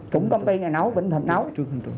cũng công ty này nấu bình thịnh nấu